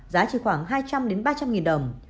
giá chỉ khoảng hai trăm linh đến ba trăm linh nghìn đồng